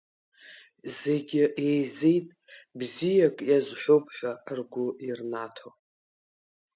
Зегьы еизеит, бзиак иазҳәоуп ҳәа ргәы ирнаҭо.